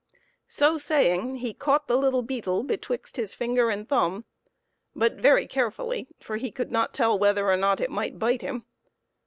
So saying, he caught the little beetle betwixt his finger and thumb, but very carefully, for he could not tell whether or no it might bite him.